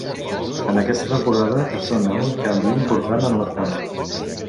En aquesta temporada es dóna un canvi important en la trama.